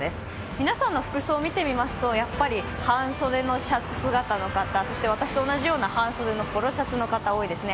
皆さんの服装見てみますと、半袖のシャツ姿の方、そして私と同じような半袖のポロシャツの方多いですね。